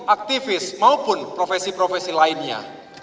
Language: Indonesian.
aktivis maupun profesi profesi lainnya